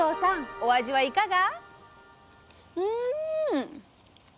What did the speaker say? お味はいかが？